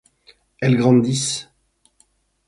Elles grandissent.